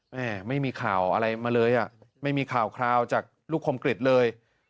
ไม่มีข่าวอะไรมาเลยอ่ะไม่มีข่าวคราวจากลูกคมกริจเลย